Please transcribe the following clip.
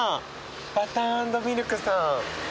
バター＆ミルクさん。